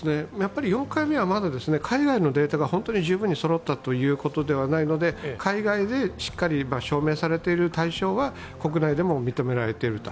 ４回目はまだ海外のデータが十分にそろったということではないので海外でしっかり証明されている対象は国内でも認められていると。